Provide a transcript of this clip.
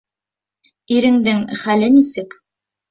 Иреңдең хәле нисек?